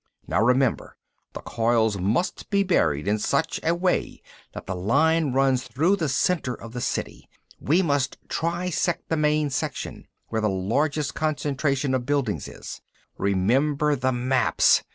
"Now remember, the coils must be buried in such a way that the line runs through the center of the City. We must trisect the main section, where the largest concentration of buildings is. Remember the maps!